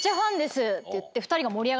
２人が。